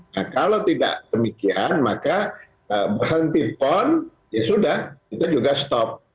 nah kalau tidak demikian maka berhenti pon ya sudah kita juga stop